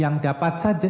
yang dapat saja